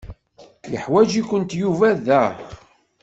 Yeḥwaǧ-ikent Yuba da.